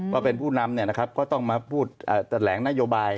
ว่าเป็นผู้นำพูดแสดงแหลงนโยบาย